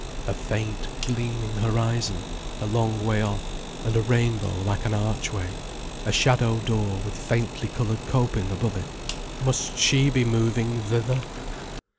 A faint, gleaming horizon, a long way off, and a rainbow like an archway, a shadow door with faintly coloured coping above it. Must she be moving thither?